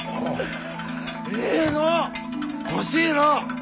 ええのう欲しいのう！